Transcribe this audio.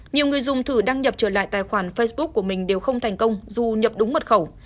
nhiều người dùng thử đăng nhập trở lại tài khoản facebook của mình đều không thành công dù nhập đúng mật khẩu